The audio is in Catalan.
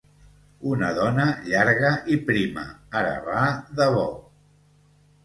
Una dona llarga i prima, ara va de bo